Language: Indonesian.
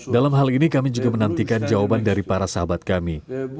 dalam hal ini kami juga menantikan jawaban dari para sahabat kami